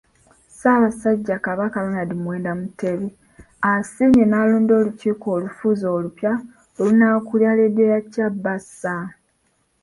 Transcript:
Ssabassajja Kabaka Ronald Muwenda Mutebi asiimye n'alonda olukiiko olufuzi olupya olunaakulira leediyo ya CBS.